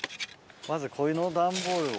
まずこの段ボールを。